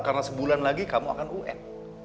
karena sebulan lagi kamu akan un